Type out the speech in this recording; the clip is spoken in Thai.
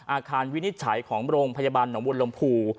อาคารวินิจฉัยของโรงพยาบาลหนัววนลมพู